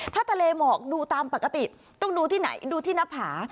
ถ้าทะเลหมอกดูตามปกติต้องดูที่ไหนดูที่หน้าผา